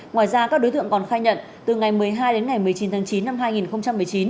ngoài ra các đối tượng còn khai nhận từ ngày một mươi hai đến ngày một mươi chín tháng chín năm hai nghìn một mươi chín